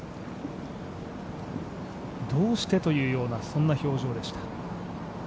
どうしてというようなそんな表情でした。